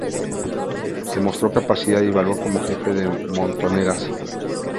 Demostró capacidad y valor como jefe de montoneras.